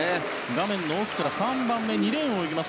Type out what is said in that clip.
画面の奥から３番目の２レーンを泳ぎます